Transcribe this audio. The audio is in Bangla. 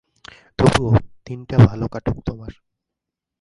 তবুও, দিনটা ভালো কাটুক তোমার।